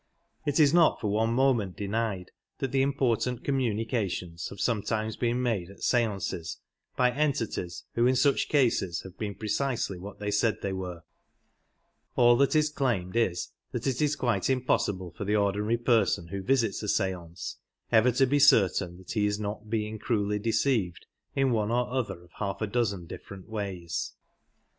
It is not for one moment denied that im portant communications have sometimes been made at stances by entities who in such cases have been precisely what they said they were ; all that is claimed is that it is 87 quite impossible for the ordinary person who visits a seance ever to be certain that he is not being cruelly deceived in one or other of half a dozen different ways.